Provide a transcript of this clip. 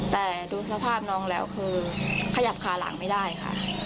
แต่ดูสภาพน้องแล้วคือขยับขาหลังไม่ได้ค่ะ